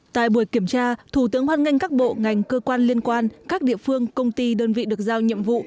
tại buổi kiểm tra thủ tướng hoan nghênh các bộ ngành cơ quan liên quan các địa phương công ty đơn vị được giao nhiệm vụ